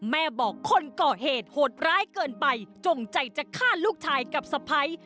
แม่บอกคนก่อเหตุโหดร้ายเกินไปจงใจจะฆ่าลูกชายกับสะพ้าย